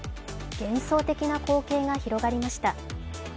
幻想的な光景が広がりました。